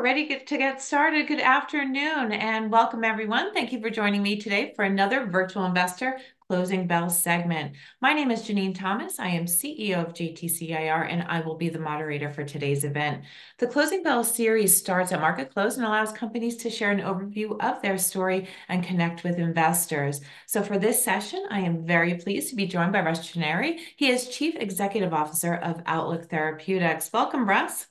Hey, we're ready to get started. Good afternoon, and welcome, everyone. Thank you for joining me today for another Virtual Investor Closing Bell segment. My name is Janine Thomas. I am CEO of JTC Team, and I will be the moderator for today's event. The Closing Bell series starts at market close, and allows companies to share an overview of their story and connect with investors. So for this session, I am very pleased to be joined by Russell Trenary. He is Former Chief Executive Officer of Outlook Therapeutics. Welcome, Russell.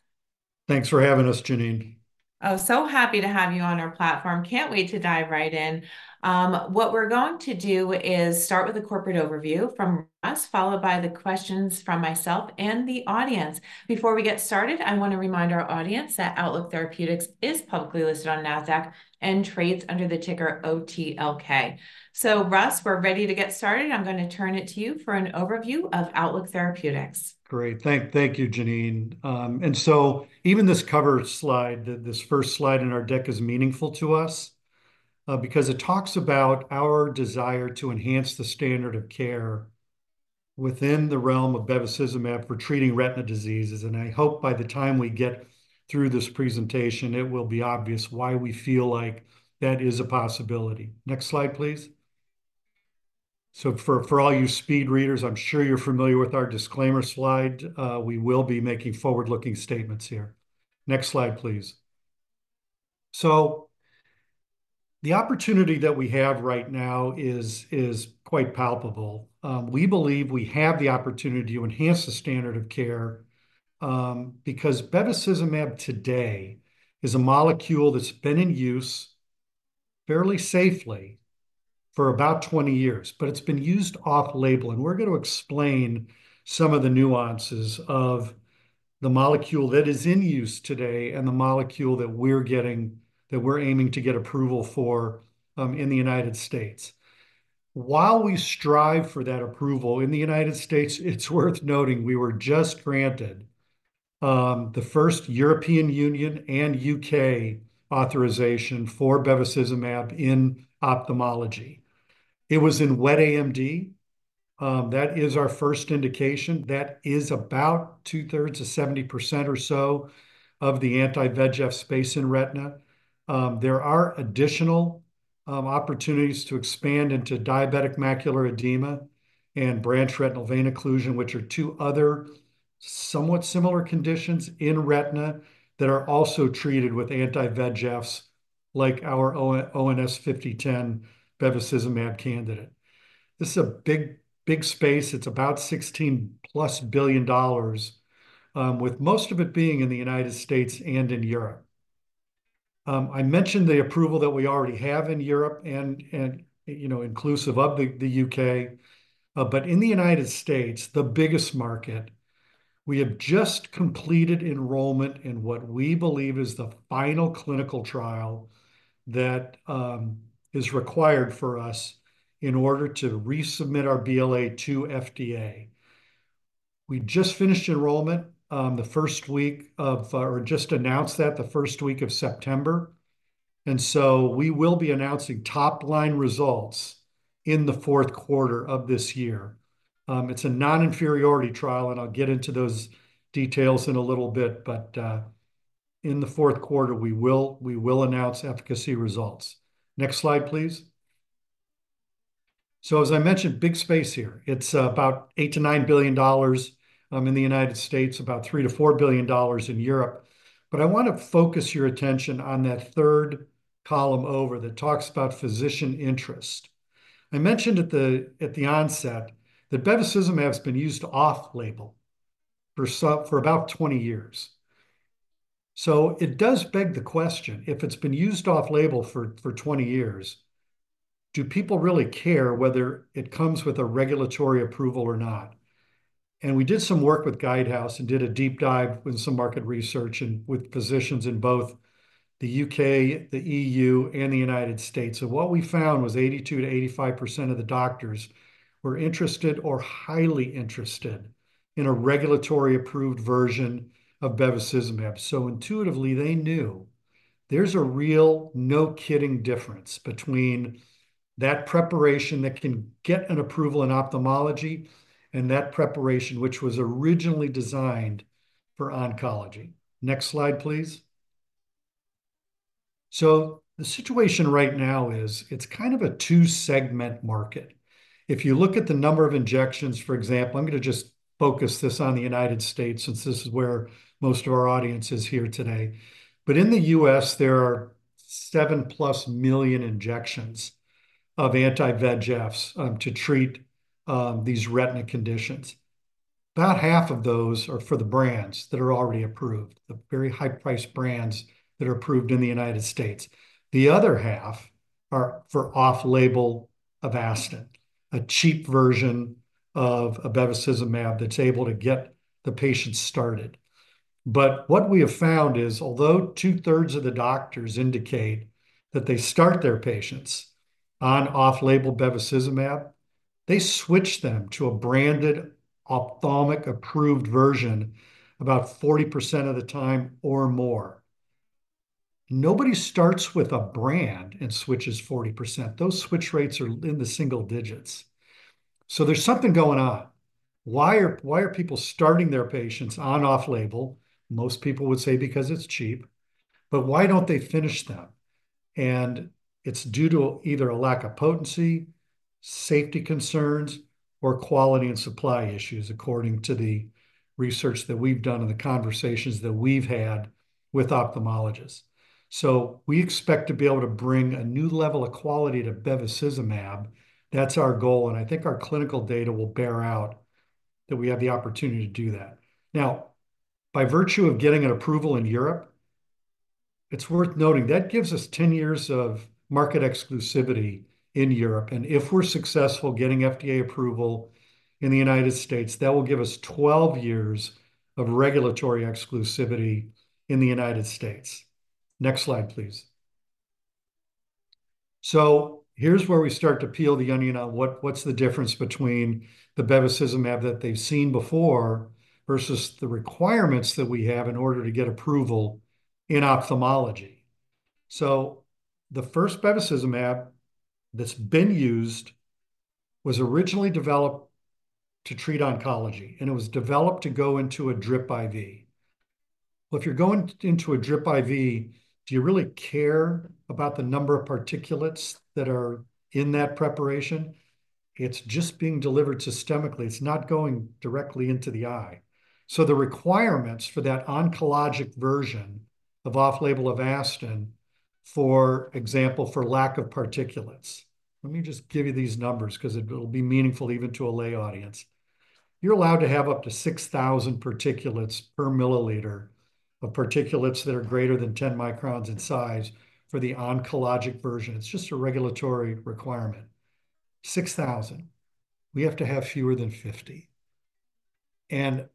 Thanks for having us, Janine. Oh, so happy to have you on our platform. Can't wait to dive right in. What we're going to do is start with a corporate overview from Russell, followed by the questions from myself and the audience. Before we get started, I want to remind our audience that Outlook Therapeutics is publicly listed on Nasdaq and trades under the ticker OTLK. So Russell, we're ready to get started. I'm going to turn it to you for an overview of Outlook Therapeutics. Great. Thank you, Janine. And so even this cover slide, this first slide in our deck, is meaningful to us, because it talks about our desire to enhance the standard of care within the realm of bevacizumab for treating retina diseases, and I hope by the time we get through this presentation, it will be obvious why we feel like that is a possibility. Next slide, please. So for all you speed readers, I'm sure you're familiar with our disclaimer slide. We will be making forward-looking statements here. Next slide, please. So the opportunity that we have right now is quite palpable. We believe we have the opportunity to enhance the standard of care, because bevacizumab today is a molecule that's been in use fairly safely for about 20 years, but it's been used off-label, and we're going to explain some of the nuances of the molecule that is in use today, and the molecule that we're aiming to get approval for, in the United States. While we strive for that approval in the United States, it's worth noting we were just granted the first European Union and U.K. authorization for bevacizumab in ophthalmology. It was in wet AMD. That is our first indication. That is about two-thirds to 70% or so of the anti-VEGF space in retina. There are additional opportunities to expand into diabetic macular edema and branch retinal vein occlusion, which are two other somewhat similar conditions in retina that are also treated with anti-VEGFs, like our ONS-5010 bevacizumab candidate. This is a big, big space. It's about $16-plus billion, with most of it being in the United States and in Europe. I mentioned the approval that we already have in Europe, and, you know, inclusive of the UK. But in the United States, the biggest market, we have just completed enrollment in what we believe is the final clinical trial that is required for us in order to resubmit our BLA to FDA. We just finished enrollment, or just announced that the first week of September, and so we will be announcing top-line results in the fourth quarter of this year. It's a non-inferiority trial, and I'll get into those details in a little bit, but in the fourth quarter, we will announce efficacy results. Next slide, please. As I mentioned, big space here. It's about $8-$9 billion in the United States, about $3-$4 billion in Europe. But I want to focus your attention on that third column over there that talks about physician interest. I mentioned at the onset that bevacizumab has been used off-label for about 20 years. So it does beg the question, if it's been used off-label for 20 years, do people really care whether it comes with a regulatory approval or not? And we did some work with Guidehouse and did a deep dive and some market research and with physicians in both the U.K., the E.U., and the United States, and what we found was 82%-85% of the doctors were interested or highly interested in a regulatory-approved version of bevacizumab. So intuitively, they knew there's a real no-kidding difference between that preparation that can get an approval in ophthalmology and that preparation which was originally designed for oncology. Next slide, please. So the situation right now is it's kind of a two-segment market. If you look at the number of injections, for example, I'm going to just focus this on the United States, since this is where most of our audience is here today. But in the US, there are seven-plus million injections of anti-VEGFs to treat these retina conditions. About half of those are for the brands that are already approved, the very high-priced brands that are approved in the United States. The other half are for off-label Avastin, a cheap version of bevacizumab that's able to get the patients started. But what we have found is, although two-thirds of the doctors indicate that they start their patients on off-label bevacizumab, they switch them to a branded ophthalmic-approved version about 40% of the time or more... nobody starts with a brand and switches 40%. Those switch rates are in the single digits. So there's something going on. Why are people starting their patients on off-label? Most people would say because it's cheap. But why don't they finish them? And it's due to either a lack of potency, safety concerns, or quality and supply issues, according to the research that we've done and the conversations that we've had with ophthalmologists. So we expect to be able to bring a new level of quality to bevacizumab. That's our goal, and I think our clinical data will bear out that we have the opportunity to do that. Now, by virtue of getting an approval in Europe, it's worth noting that gives us ten years of market exclusivity in Europe, and if we're successful getting FDA approval in the United States, that will give us twelve years of regulatory exclusivity in the United States. Next slide, please. So here's where we start to peel the onion on what's the difference between the bevacizumab that they've seen before versus the requirements that we have in order to get approval in ophthalmology. So the first bevacizumab that's been used was originally developed to treat oncology, and it was developed to go into a drip IV. Well, if you're going into a drip IV, do you really care about the number of particulates that are in that preparation? It's just being delivered systemically. It's not going directly into the eye. So the requirements for that oncologic version of off-label Avastin, for example, for lack of particulates. Let me just give you these numbers, 'cause it'll be meaningful even to a lay audience. You're allowed to have up to six thousand particulates per milliliter of particulates that are greater than 10 microns in size for the oncologic version. It's just a regulatory requirement. Six thousand. We have to have fewer than 50, and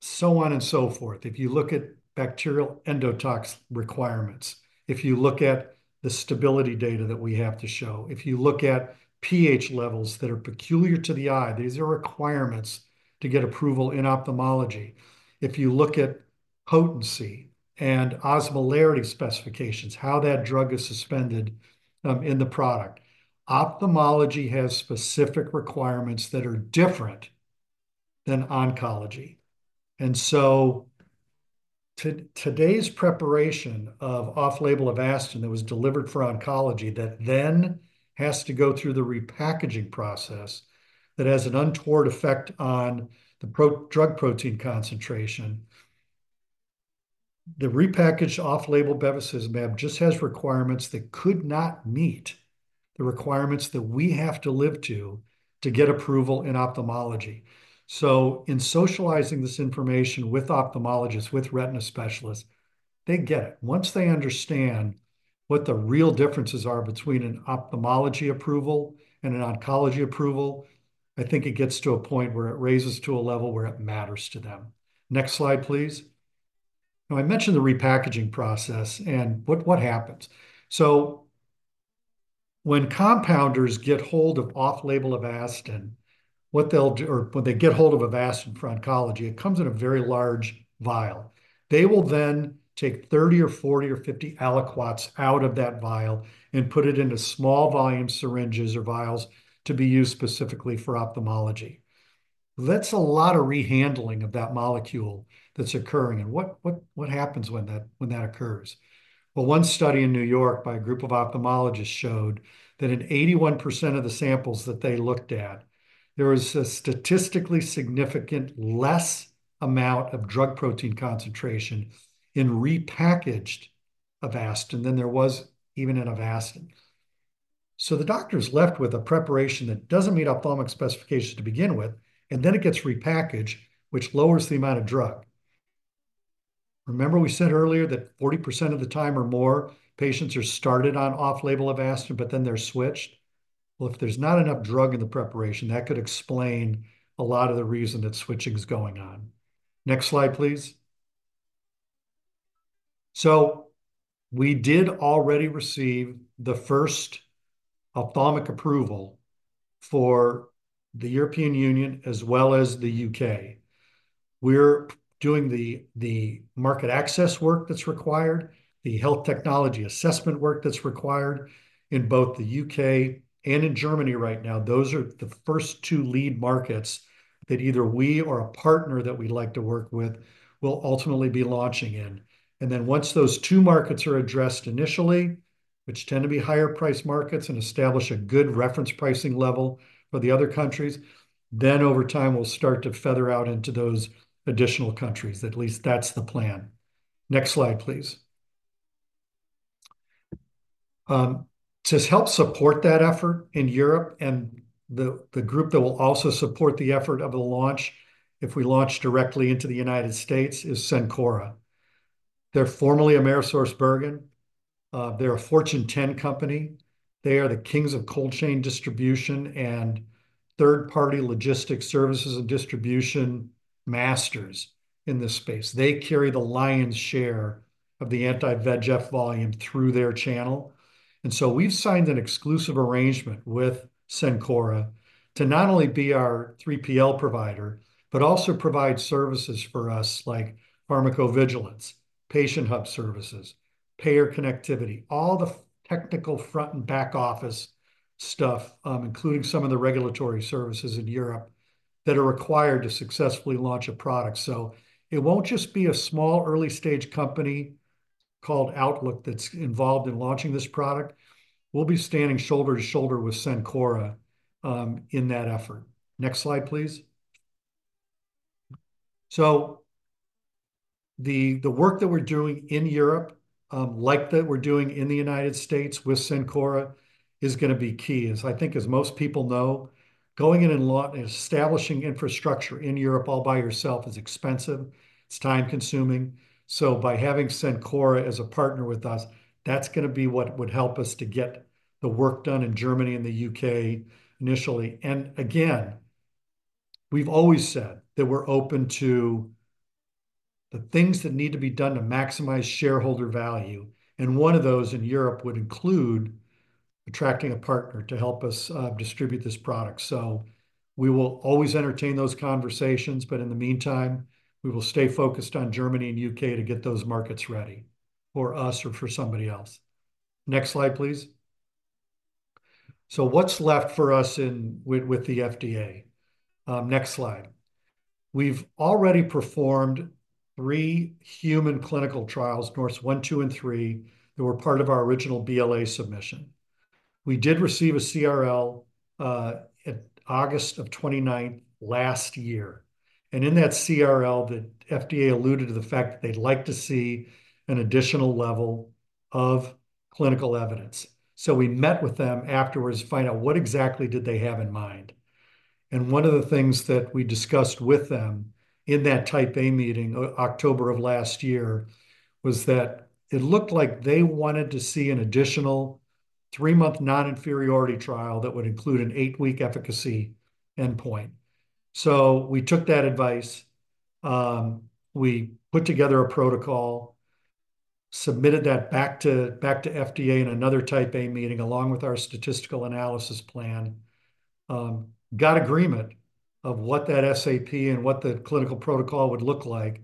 so on and so forth. If you look at bacterial endotoxin requirements, if you look at the stability data that we have to show, if you look at pH levels that are peculiar to the eye, these are requirements to get approval in ophthalmology. If you look at potency and osmolarity specifications, how that drug is suspended in the product, ophthalmology has specific requirements that are different than oncology. And so today's preparation of off-label Avastin that was delivered for oncology, that then has to go through the repackaging process, that has an untoward effect on the protein drug concentration. The repackaged off-label bevacizumab just has requirements that could not meet the requirements that we have to live up to, to get approval in ophthalmology. So in socializing this information with ophthalmologists, with retina specialists, they get it. Once they understand what the real differences are between an ophthalmology approval and an oncology approval, I think it gets to a point where it raises to a level where it matters to them. Next slide, please. Now, I mentioned the repackaging process, and what happens? So when compounders get hold of off-label Avastin, what they'll do or when they get hold of Avastin for oncology, it comes in a very large vial. They will then take thirty or forty or fifty aliquots out of that vial and put it into small volume syringes or vials to be used specifically for ophthalmology. That's a lot of rehandling of that molecule that's occurring, and what happens when that occurs? One study in New York by a group of ophthalmologists showed that in 81% of the samples that they looked at, there was a statistically significant less amount of drug protein concentration in repackaged Avastin than there was even in Avastin. The doctor's left with a preparation that doesn't meet ophthalmic specifications to begin with, and then it gets repackaged, which lowers the amount of drug. Remember we said earlier that 40% of the time or more, patients are started on off-label Avastin, but then they're switched? If there's not enough drug in the preparation, that could explain a lot of the reason that switching is going on. Next slide, please. We did already receive the first ophthalmic approval for the European Union, as well as the U.K. We're doing the market access work that's required, the health technology assessment work that's required in both the UK and in Germany right now. Those are the first two lead markets that either we or a partner that we like to work with will ultimately be launching in. And then once those two markets are addressed initially, which tend to be higher-priced markets, and establish a good reference pricing level for the other countries, then over time, we'll start to feather out into those additional countries. At least that's the plan. Next slide, please. To help support that effort in Europe, and the group that will also support the effort of the launch, if we launch directly into the United States, is Cencora. They're formerly AmerisourceBergen. They're a Fortune 10 company. They are the kings of cold chain distribution and third-party logistics services and distribution masters in this space. They carry the lion's share of the anti-VEGF volume through their channel, and so we've signed an exclusive arrangement with Cencora to not only be our 3PL provider, but also provide services for us, like pharmacovigilance, patient hub services, payer connectivity, all the technical front and back office stuff, including some of the regulatory services in Europe that are required to successfully launch a product, so it won't just be a small, early-stage company called Outlook that's involved in launching this product. We'll be standing shoulder to shoulder with Cencora in that effort. Next slide, please, so the work that we're doing in Europe, like that we're doing in the United States with Cencora, is gonna be key. As I think, as most people know, going in and establishing infrastructure in Europe all by yourself is expensive, it's time-consuming. So by having Cencora as a partner with us, that's gonna be what would help us to get the work done in Germany and the UK initially. And again, we've always said that we're open to the things that need to be done to maximize shareholder value, and one of those in Europe would include attracting a partner to help us distribute this product. So we will always entertain those conversations, but in the meantime, we will stay focused on Germany and UK to get those markets ready for us or for somebody else. Next slide, please. So what's left for us with the FDA? Next slide. We've already performed three human clinical trials, NORSE 1, 2, and 3 that were part of our original BLA submission. We did receive a CRL in August 29, 2023, and in that CRL, the FDA alluded to the fact that they'd like to see an additional level of clinical evidence. So we met with them afterwards to find out what exactly did they have in mind. And one of the things that we discussed with them in that Type A meeting, October 2023, was that it looked like they wanted to see an additional three-month non-inferiority trial that would include an eight-week efficacy endpoint. So we took that advice. We put together a protocol, submitted that back to FDA in another Type A meeting, along with our statistical analysis plan. Got agreement of what that SAP and what the clinical protocol would look like,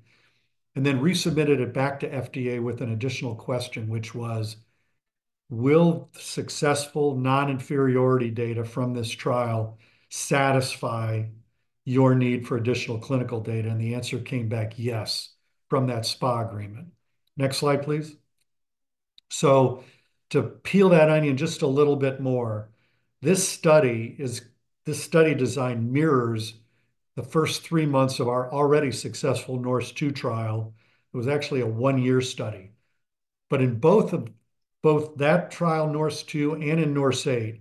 and then resubmitted it back to FDA with an additional question, which was: "Will successful non-inferiority data from this trial satisfy your need for additional clinical data?" And the answer came back yes, from that SPA agreement. Next slide, please. To peel that onion just a little bit more, this study design mirrors the first three months of our already successful NORSE-2 trial. It was actually a one-year study. But in both that trial, NORSE-2, and in NORSE-8,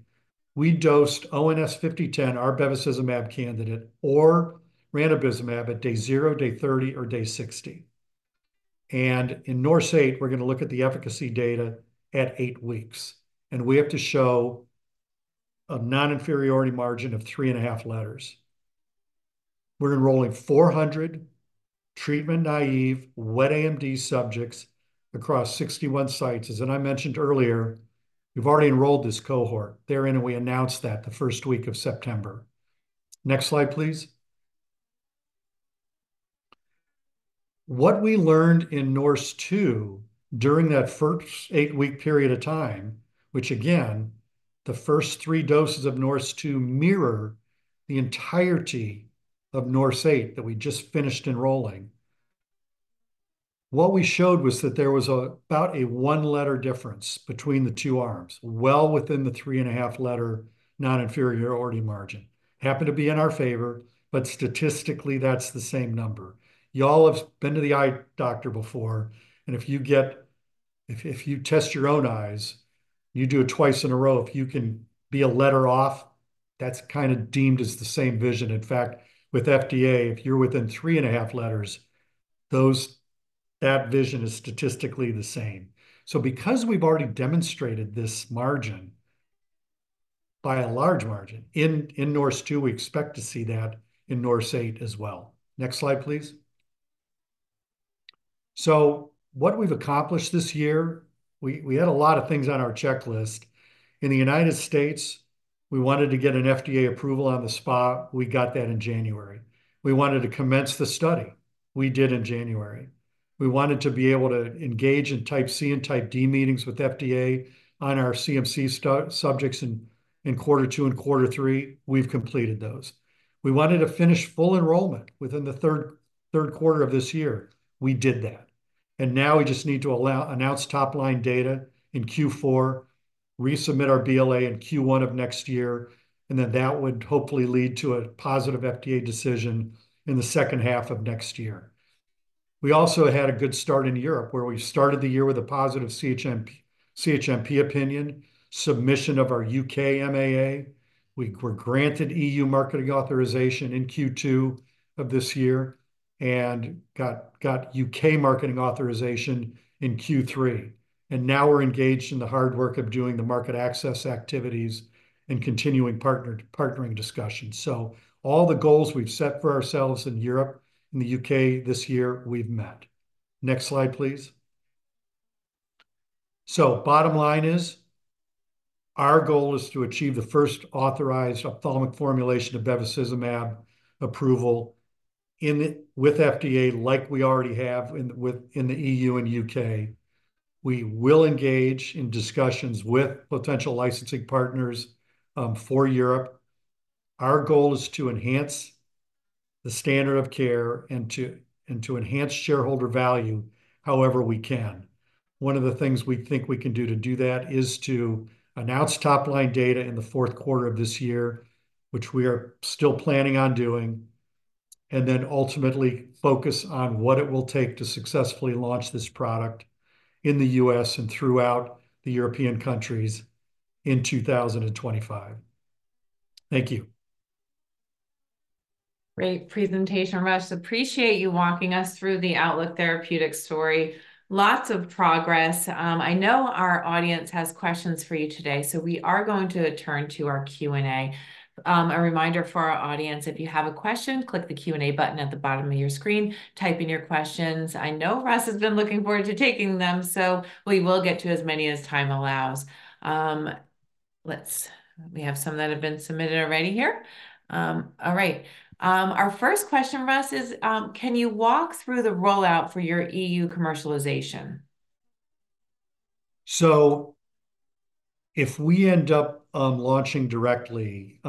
we dosed ONS-5010, our bevacizumab candidate, or ranibizumab at day zero, day thirty, or day sixty. And in NORSE-8, we're gonna look at the efficacy data at eight weeks, and we have to show a non-inferiority margin of three and a half letters. We're enrolling four hundred treatment-naive, wet AMD subjects across 61 sites. As I mentioned earlier, we've already enrolled this cohort. Then, we announced that in the first week of September. Next slide, please. What we learned in NORSE-2 during that first eight-week period of time, which again, the first three doses of NORSE-2 mirror the entirety of NORSE-8 that we just finished enrolling. What we showed was that there was about a one-letter difference between the two arms, well within the three-and-a-half letter non-inferiority margin. Happened to be in our favor, but statistically, that's the same number. Y'all have been to the eye doctor before, and if you test your own eyes, you do it twice in a row, if you can be a letter off, that's kind of deemed as the same vision. In fact, with FDA, if you're within three and a half letters, that vision is statistically the same. So because we've already demonstrated this margin by a large margin in NORSE-2, we expect to see that in NORSE-8 as well. Next slide, please. So what we've accomplished this year, we had a lot of things on our checklist. In the United States, we wanted to get an FDA approval on the SPA. We got that in January. We wanted to commence the study. We did in January. We wanted to be able to engage in Type C and Type D meetings with FDA on our CMC subjects in quarter two and quarter three. We've completed those. We wanted to finish full enrollment within the third quarter of this year. We did that. Now we just need to announce top-line data in Q4, resubmit our BLA in Q1 of next year, and then that would hopefully lead to a positive FDA decision in the second half of next year. We also had a good start in Europe, where we started the year with a positive CHMP opinion, submission of our UK MAA. We were granted EU marketing authorization in Q2 of this year, and got UK marketing authorization in Q3, and now we're engaged in the hard work of doing the market access activities and continuing partnering discussions. All the goals we've set for ourselves in Europe and the UK this year, we've met. Next slide, please. Bottom line is... Our goal is to achieve the first authorized ophthalmic formulation of bevacizumab approval with FDA, like we already have in the EU and U.K. We will engage in discussions with potential licensing partners for Europe. Our goal is to enhance the standard of care, and to enhance shareholder value however we can. One of the things we think we can do to do that is to announce top-line data in the fourth quarter of this year, which we are still planning on doing, and then ultimately focus on what it will take to successfully launch this product in the U.S. and throughout the European countries in 2025. Thank you. Great presentation, Russell. Appreciate you walking us through the Outlook Therapeutics story. Lots of progress. I know our audience has questions for you today, so we are going to turn to our Q&A. A reminder for our audience, if you have a question, click the Q&A button at the bottom of your screen, type in your questions. I know Russell has been looking forward to taking them, so we will get to as many as time allows. We have some that have been submitted already here. All right. Our first question, Russell, is, can you walk through the rollout for your EU commercialization? So if we end up launching directly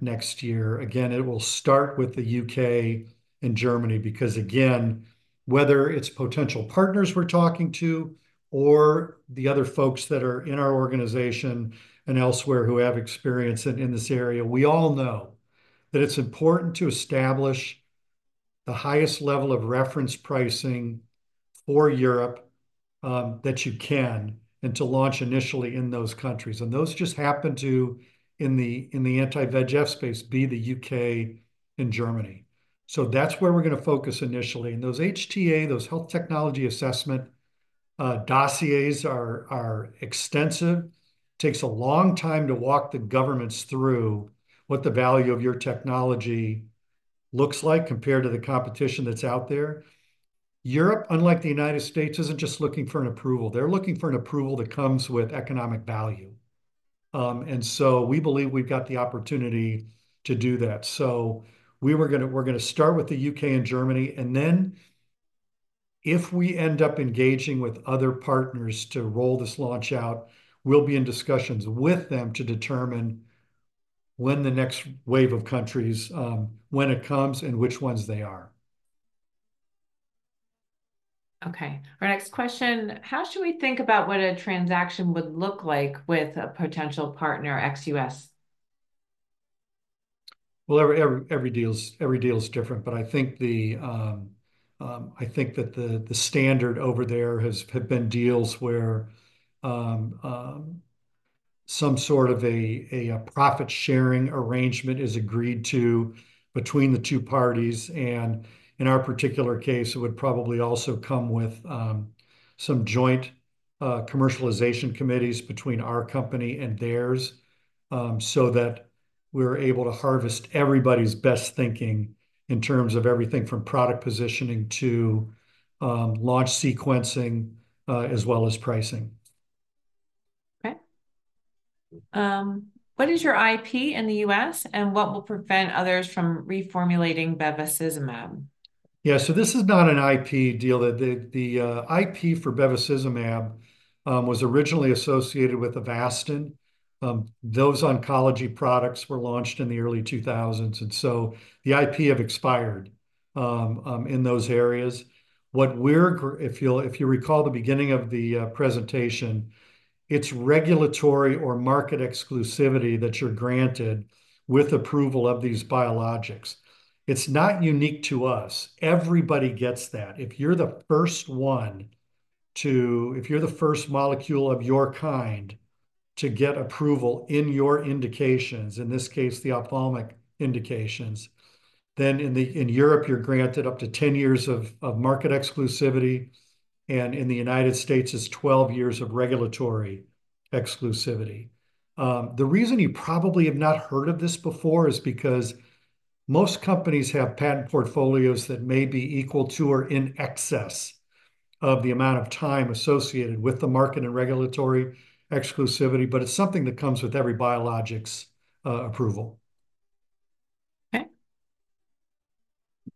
next year, again, it will start with the UK and Germany, because, again, whether it's potential partners we're talking to or the other folks that are in our organization and elsewhere who have experience in this area, we all know that it's important to establish the highest level of reference pricing for Europe that you can, and to launch initially in those countries, and those just happen to in the anti-VEGF space be the UK and Germany. So that's where we're gonna focus initially. And those HTA, those health technology assessment dossiers are extensive. It takes a long time to walk the governments through what the value of your technology looks like compared to the competition that's out there. Europe, unlike the United States, isn't just looking for an approval. They're looking for an approval that comes with economic value. And so we believe we've got the opportunity to do that. So we're gonna start with the UK and Germany, and then if we end up engaging with other partners to roll this launch out, we'll be in discussions with them to determine when the next wave of countries, when it comes, and which ones they are. Okay, our next question: How should we think about what a transaction would look like with a potential partner ex-US? Every deal is different, but I think that the standard over there have been deals where some sort of a profit-sharing arrangement is agreed to between the two parties, and in our particular case, it would probably also come with some joint commercialization committees between our company and theirs, so that we're able to harvest everybody's best thinking in terms of everything from product positioning to launch sequencing, as well as pricing. Okay. What is your IP in the U.S., and what will prevent others from reformulating bevacizumab? Yeah, so this is not an IP deal. The IP for bevacizumab was originally associated with Avastin. Those oncology products were launched in the early 2000s, and so the IP have expired in those areas. What we're if you'll recall the beginning of the presentation, it's regulatory or market exclusivity that you're granted with approval of these biologics. It's not unique to us. Everybody gets that. If you're the first molecule of your kind to get approval in your indications, in this case, the ophthalmic indications, then in Europe, you're granted up to ten years of market exclusivity, and in the United States, it's 12 years of regulatory exclusivity. The reason you probably have not heard of this before is because most companies have patent portfolios that may be equal to or in excess of the amount of time associated with the market and regulatory exclusivity, but it's something that comes with every biologics approval. Okay.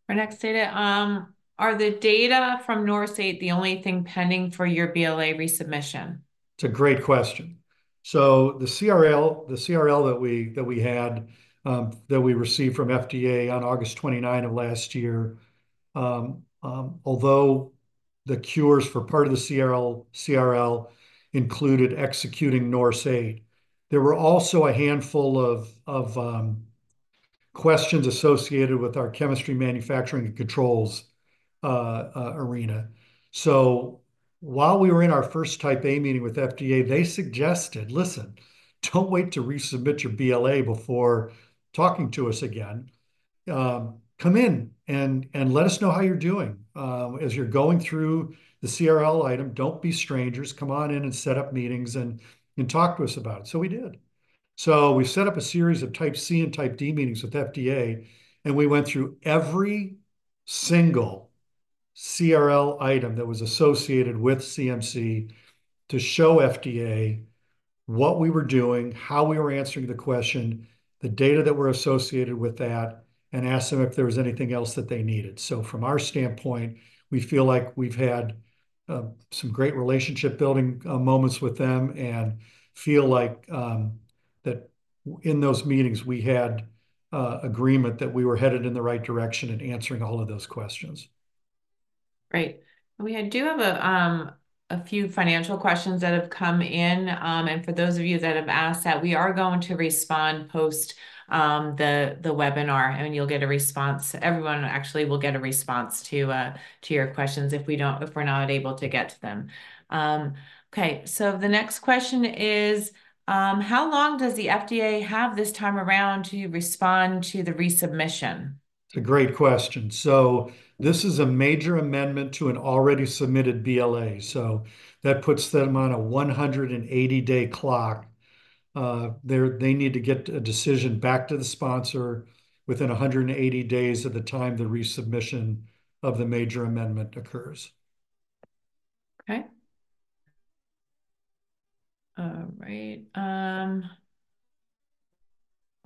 Our next data: Are the data from NORSE the only thing pending for your BLA resubmission? It's a great question. So the CRL that we had that we received from FDA on August 29 of last year, although the core part of the CRL included executing NORSE-8, there were also a handful of questions associated with our chemistry manufacturing and controls area. So while we were in our first Type A meeting with FDA, they suggested, "Listen, don't wait to resubmit your BLA before talking to us again. Come in, and let us know how you're doing as you're going through the CRL item. Don't be strangers. Come on in and set up meetings, and talk to us about it." So we did. So we set up a series of Type C and Type D meetings with FDA, and we went through every single-... CRL item that was associated with CMC to show FDA what we were doing, how we were answering the question, the data that were associated with that, and ask them if there was anything else that they needed. So from our standpoint, we feel like we've had some great relationship-building moments with them, and feel like that in those meetings, we had agreement that we were headed in the right direction in answering all of those questions. Great. We do have a few financial questions that have come in. And for those of you that have asked that, we are going to respond post the webinar, and you'll get a response. Everyone actually will get a response to your questions if we're not able to get to them. So the next question is: how long does the FDA have this time around to respond to the resubmission? It's a great question. So this is a major amendment to an already submitted BLA, so that puts them on a 180-day clock. They need to get a decision back to the sponsor within 180 days of the time the resubmission of the major amendment occurs.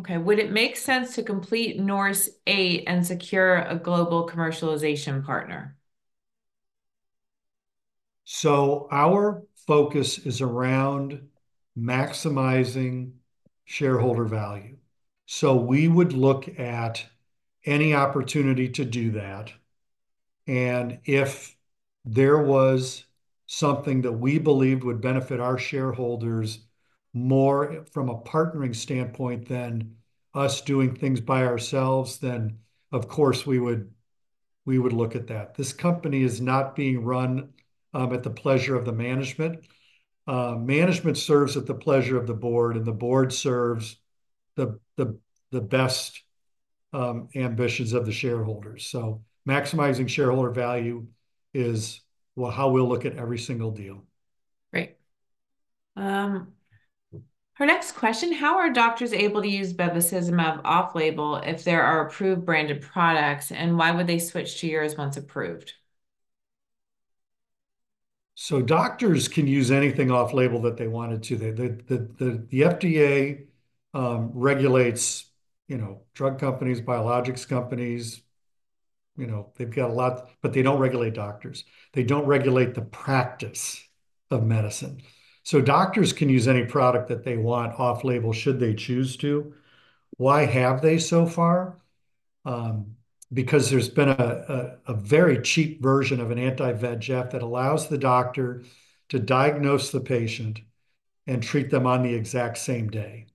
Would it make sense to complete NORSE-8 and secure a global commercialization partner? So our focus is around maximizing shareholder value, so we would look at any opportunity to do that. And if there was something that we believed would benefit our shareholders more from a partnering standpoint than us doing things by ourselves, then, of course, we would look at that. This company is not being run at the pleasure of the management. Management serves at the pleasure of the board, and the board serves the best ambitions of the shareholders. So maximizing shareholder value is, well, how we'll look at every single deal. Great. Our next question: How are doctors able to use bevacizumab off-label if there are approved branded products, and why would they switch to yours once approved? So doctors can use anything off-label that they wanted to. The FDA regulates, you know, drug companies, biologics companies. You know, they've got a lot, but they don't regulate doctors. They don't regulate the practice of medicine. So doctors can use any product that they want off-label, should they choose to. Why have they so far? Because there's been a very cheap version of an anti-VEGF that allows the doctor to diagnose the patient and treat them on the exact same day.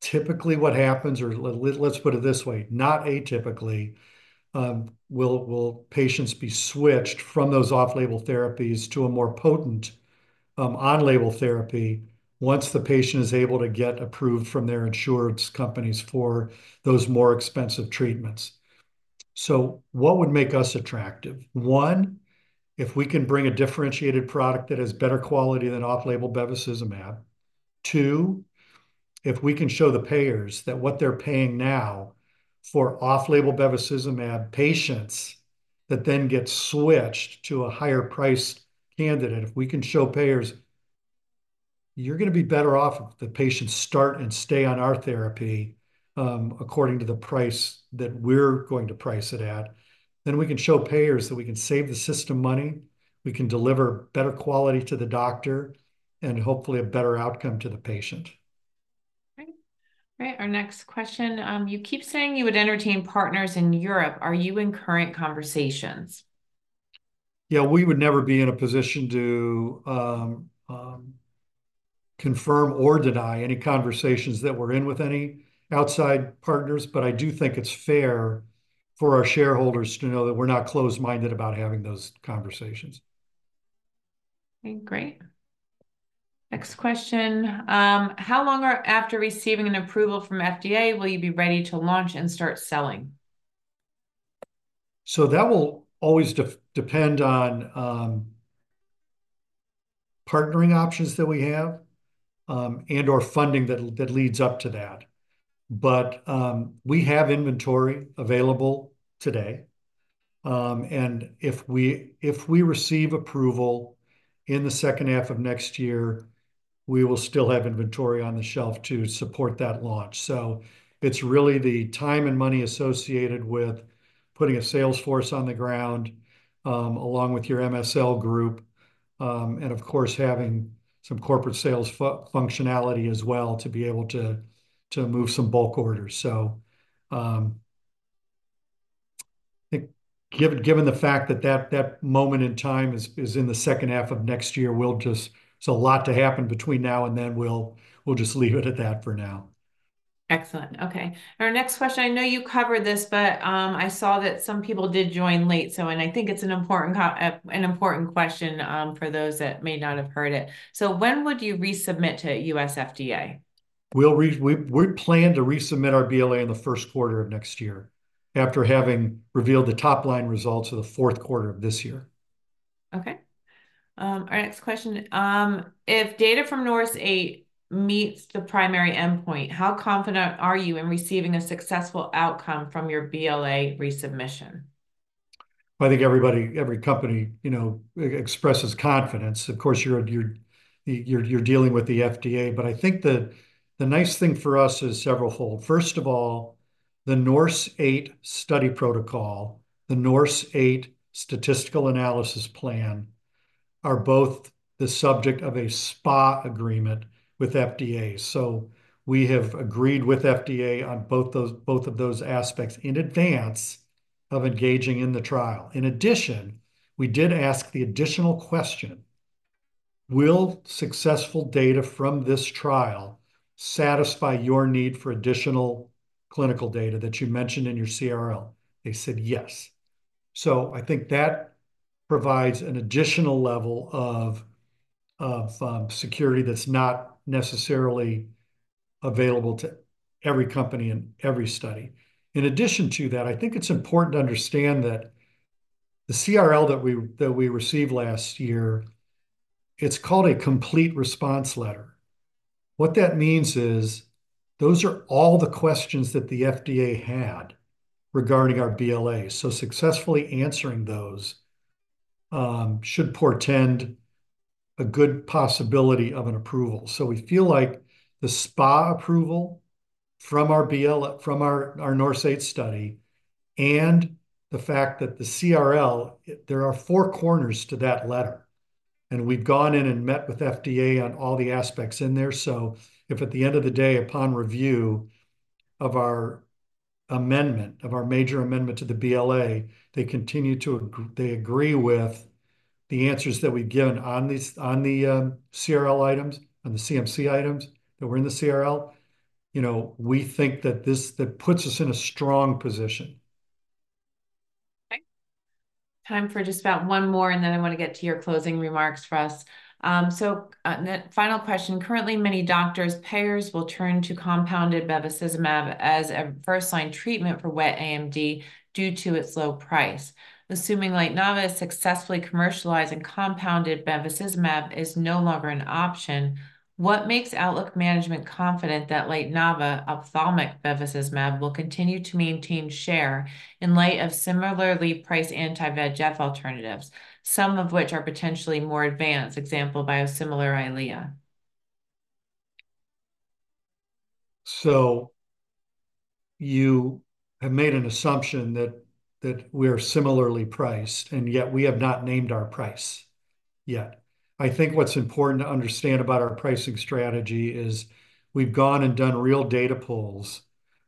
Typically, what happens, or let's put it this way, not atypically, will patients be switched from those off-label therapies to a more potent on-label therapy once the patient is able to get approved from their insurance companies for those more expensive treatments. So what would make us attractive? One, if we can bring a differentiated product that has better quality than off-label bevacizumab. Two, if we can show the payers that what they're paying now for off-label bevacizumab patients that then get switched to a higher priced candidate, if we can show payers you're gonna be better off if the patients start and stay on our therapy, according to the price that we're going to price it at, then we can show payers that we can save the system money, we can deliver better quality to the doctor, and hopefully a better outcome to the patient. Great. Great, our next question: you keep saying you would entertain partners in Europe. Are you in current conversations? Yeah, we would never be in a position to confirm or deny any conversations that we're in with any outside partners, but I do think it's fair for our shareholders to know that we're not closed-minded about having those conversations. Okay, great. Next question: How long after receiving an approval from FDA will you be ready to launch and start selling? So that will always depend on partnering options that we have and/or funding that leads up to that. But we have inventory available today. And if we receive approval in the second half of next year, we will still have inventory on the shelf to support that launch. So it's really the time and money associated with putting a sales force on the ground along with your MSL group and of course, having some corporate sales functionality as well, to be able to move some bulk orders. So I think given the fact that that moment in time is in the second half of next year, we'll just so a lot to happen between now and then. We'll just leave it at that for now. Excellent. Okay. Our next question, I know you covered this, but, I saw that some people did join late, so, and I think it's an important question, for those that may not have heard it. So when would you resubmit to U.S. FDA? We plan to resubmit our BLA in the first quarter of next year, after having revealed the top-line results of the fourth quarter of this year.... Okay, our next question, if data from NORSE-8 meets the primary endpoint, how confident are you in receiving a successful outcome from your BLA resubmission? I think everybody, every company, you know, expresses confidence. Of course, you're dealing with the FDA. But I think the nice thing for us is severalfold. First of all, the NORSE-8 study protocol, the NORSE-8 statistical analysis plan, are both the subject of a SPA agreement with FDA. So we have agreed with FDA on both those, both of those aspects in advance of engaging in the trial. In addition, we did ask the additional question, "Will successful data from this trial satisfy your need for additional clinical data that you mentioned in your CRL?" They said, "Yes." So I think that provides an additional level of security that's not necessarily available to every company and every study. In addition to that, I think it's important to understand that the CRL that we received last year, it's called a complete response letter. What that means is, those are all the questions that the FDA had regarding our BLA, so successfully answering those should portend a good possibility of an approval. So we feel like the SPA approval from our NORSE-8 study, and the fact that the CRL, there are four corners to that letter, and we've gone in and met with FDA on all the aspects in there. So if at the end of the day, upon review of our amendment, of our major amendment to the BLA, they agree with the answers that we've given on these, on the CRL items, on the CMC items that were in the CRL, you know, we think that this, that puts us in a strong position. Okay. Time for just about one more, and then I want to get to your closing remarks for us. Final question. Currently, many doctors, payers will turn to compounded bevacizumab as a first-line treatment for wet AMD, due to its low price. Assuming Lytenava successfully commercialize and compounded bevacizumab is no longer an option, what makes Outlook Management confident that Lytenava ophthalmic bevacizumab will continue to maintain share in light of similarly priced anti-VEGF alternatives, some of which are potentially more advanced, example, biosimilar Eylea? So you have made an assumption that we're similarly priced, and yet we have not named our price yet. I think what's important to understand about our pricing strategy is we've gone and done real data polls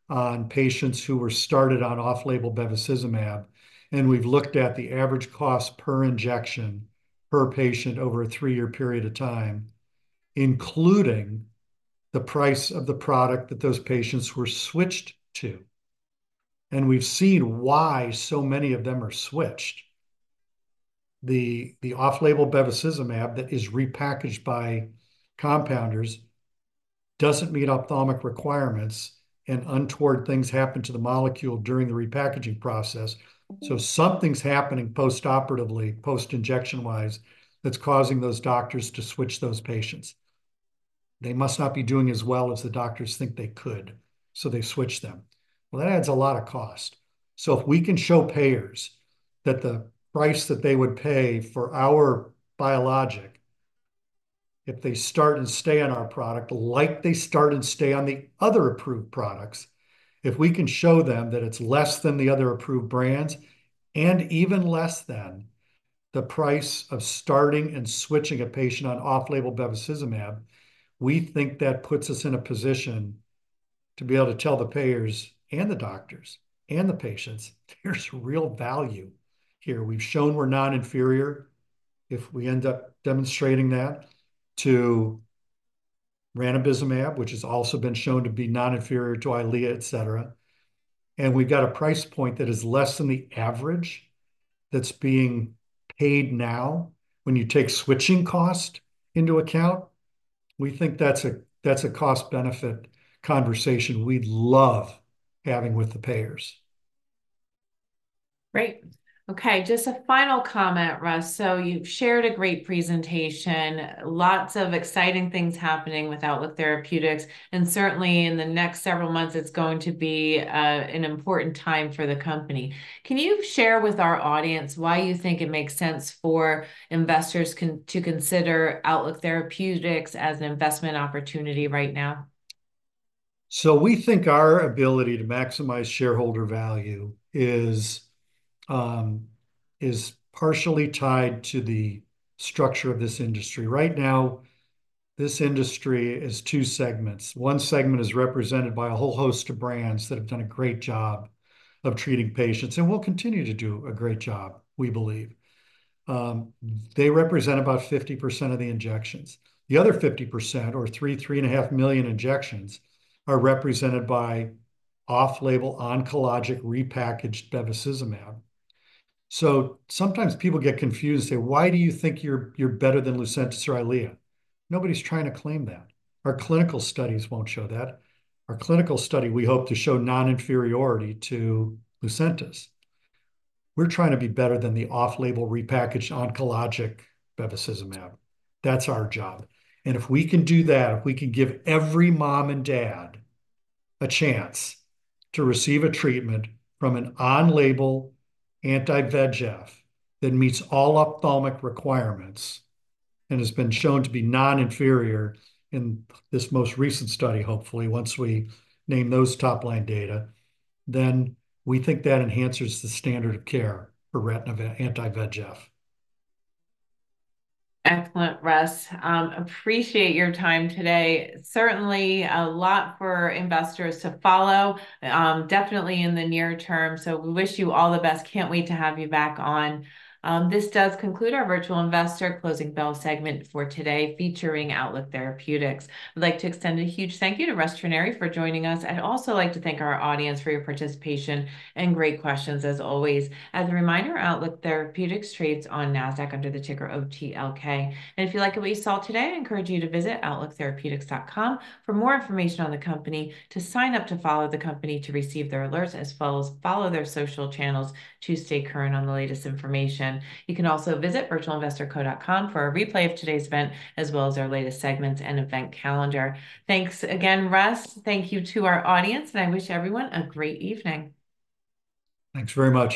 on patients who were started on off-label bevacizumab, and we've looked at the average cost per injection per patient over a three-year period of time, including the price of the product that those patients were switched to, and we've seen why so many of them are switched. The off-label bevacizumab that is repackaged by compounders doesn't meet ophthalmic requirements, and untoward things happen to the molecule during the repackaging process. So something's happening post-operatively, post-injection-wise, that's causing those doctors to switch those patients. They must not be doing as well as the doctors think they could, so they switch them. Well, that adds a lot of cost. So if we can show payers that the price that they would pay for our biologic, if they start and stay on our product, like they start and stay on the other approved products, if we can show them that it's less than the other approved brands, and even less than the price of starting and switching a patient on off-label bevacizumab, we think that puts us in a position to be able to tell the payers, and the doctors, and the patients, "There's real value here." We've shown we're non-inferior, if we end up demonstrating that, to ranibizumab, which has also been shown to be non-inferior to Eylea, et cetera. We've got a price point that is less than the average that's being paid now, when you take switching cost into account. We think that's a cost-benefit conversation we'd love having with the payers. Great. Okay, just a final comment, Russell. So you've shared a great presentation. Lots of exciting things happening with Outlook Therapeutics, and certainly in the next several months, it's going to be an important time for the company. Can you share with our audience why you think it makes sense for investors to consider Outlook Therapeutics as an investment opportunity right now? We think our ability to maximize shareholder value is partially tied to the structure of this industry. Right now, this industry is two segments. One segment is represented by a whole host of brands that have done a great job of treating patients, and will continue to do a great job, we believe. They represent about 50% of the injections. The other 50%, or 3.5 million injections, are represented by off-label oncologic repackaged bevacizumab. Sometimes people get confused and say, "Why do you think you're better than Lucentis or Eylea?" Nobody's trying to claim that. Our clinical studies won't show that. Our clinical study, we hope to show non-inferiority to Lucentis. We're trying to be better than the off-label repackaged oncologic bevacizumab. That's our job, and if we can do that, if we can give every mom and dad a chance to receive a treatment from an on-label anti-VEGF that meets all ophthalmic requirements, and has been shown to be non-inferior in this most recent study, hopefully, once we name those top-line data, then we think that enhances the standard of care for retina anti-VEGF. Excellent, Russell. Appreciate your time today. Certainly a lot for investors to follow, definitely in the near term, so we wish you all the best. Can't wait to have you back on. This does conclude our Virtual Investor Closing Bell segment for today, featuring Outlook Therapeutics. I'd like to extend a huge thank you to Russell Trenary for joining us. I'd also like to thank our audience for your participation and great questions as always. As a reminder, Outlook Therapeutics trades on Nasdaq under the ticker OTLK. And if you like what you saw today, I encourage you to visit outlooktherapeutics.com for more information on the company, to sign up to follow the company, to receive their alerts, as well as follow their social channels to stay current on the latest information. You can also visit virtualinvestorco.com for a replay of today's event, as well as our latest segments and event calendar. Thanks again, Russ. Thank you to our audience, and I wish everyone a great evening. Thanks very much.